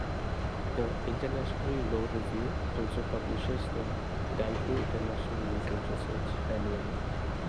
The "International Law Review" also publishes the "Guide to International Legal Research" annually.